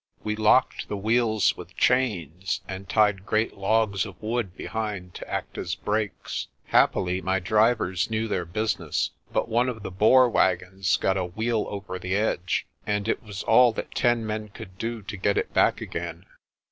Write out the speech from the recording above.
We locked the wheels with chains, and tied great logs of wood behind to act as brakes. Hap pily my drivers knew their business, but one of the Boer wagons got a wheel over the edge, and it was all that ten men could do to get it back again.